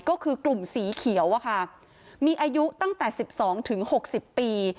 ก็คือกลุ่มสีเขียวอะค่ะมีอายุตั้งแต่๑๒๖๐ปี